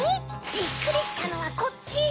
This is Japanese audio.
びっくりしたのはこっちよ。